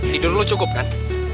tidur lu cukup kan